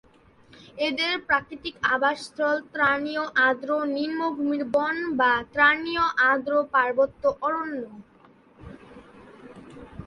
এদের প্রাকৃতিক আবাসস্থল ক্রান্তীয় আর্দ্র নিম্নভূমির বন বা ক্রান্তীয় আর্দ্র পার্বত্য অরণ্য।